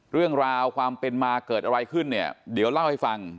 เรื่องราวความเป็นมาเกิดอะไรขึ้นเนี่ยเดี๋ยวเล่าให้ฟัง